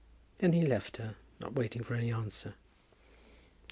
Then he left her, not waiting for any answer.